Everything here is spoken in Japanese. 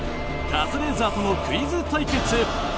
カズレーザーとのクイズ対決！